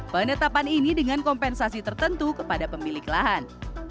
penetapan ini dengan kompensasi tertentu kepada pemilik lahan